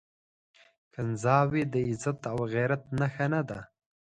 کنځاوي د عزت او غيرت نښه نه ده.